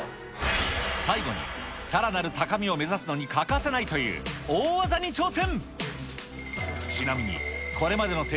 最後に、さらなる高みを目指すのに欠かせないという大技に挑戦。